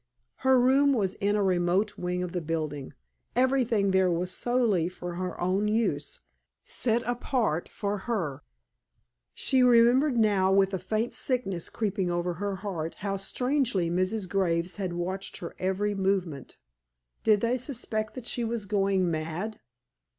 Her room was in a remote wing of the building. Everything there was solely for her own use, set apart for her. She remembered now, with a faint sickness creeping over her heart, how strangely Mrs. Graves had watched her every movement. Did they suspect that she was going mad?